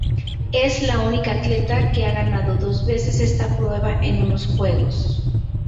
Es la única atleta que ha ganado dos veces esta prueba en unos Juegos.